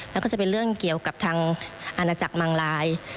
แล้วก็จะเป็นเรื่องเกี่ยวกับทางอาณาจักรมังลาย